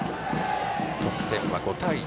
得点は５対１。